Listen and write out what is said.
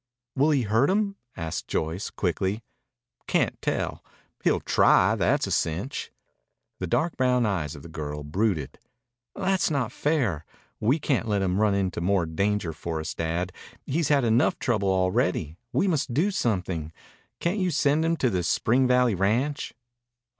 "Will he hurt him?" asked Joyce quickly. "Can't tell. He'll try. That's a cinch." The dark brown eyes of the girl brooded. "That's not fair. We can't let him run into more danger for us, Dad. He's had enough trouble already. We must do something. Can't you send him to the Spring Valley Ranch?"